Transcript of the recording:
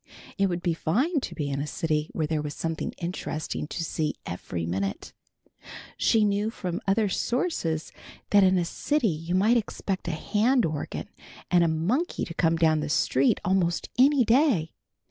It would be fine to be in a city where there is something interesting to see every minute. She knew from other sources that in a city you might expect a hand organ and a monkey to come down the street almost any day.